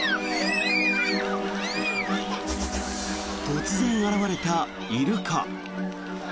突然現れたイルカ。